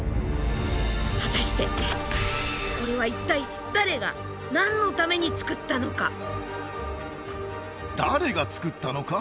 果たしてこれは一体誰が何のために作ったのか。